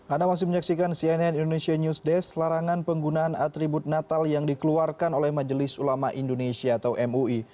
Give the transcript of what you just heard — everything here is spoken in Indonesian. anda masih menyaksikan cnn indonesia news desk larangan penggunaan atribut natal yang dikeluarkan oleh majelis ulama indonesia atau mui